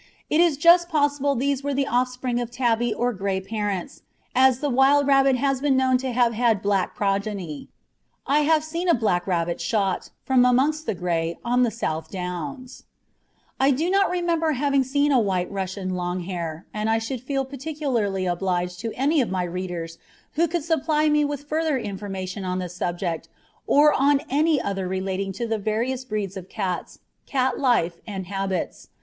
It is just possible these were the offspring of tabby or gray parents, as the wild rabbit has been known to have had black progeny. I have seen a black rabbit shot from amongst the gray on the South Downs. [Illustration: MISS MARY GRESHAM'S PERSIAN KITTEN, "LAMBKIN."] I do not remember having seen a white Russian "long hair," and I should feel particularly obliged to any of my readers who could supply me with further information on this subject, or on any other relating to the various breeds of cats, cat life and habits.